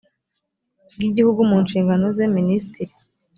bw igihugu mu nshingano ze minisitiri